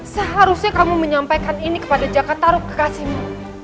seharusnya kamu menyampaikan ini kepada jakartaru kekasihmu